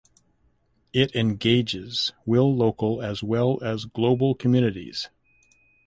It engages will local as well as global communities.